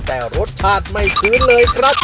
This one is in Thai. แต่รสชาติไม่ฟื้นเลยครับ